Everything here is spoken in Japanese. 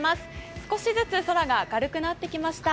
少しずつ空が明るくなってきました。